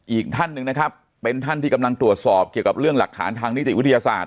อีกท่านหนึ่งนะครับเป็นท่านที่กำลังตรวจสอบเกี่ยวกับเรื่องหลักฐานทางนิติวิทยาศาสต